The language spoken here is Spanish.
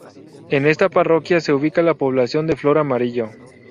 En esta parroquia se ubica la población de Flor Amarillo.